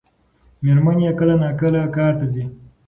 مېرمن یې کله ناکله کار ته ځي.